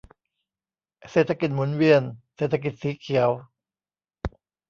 เศรษฐกิจ หมุนเวียน เศรษฐกิจสีเขียว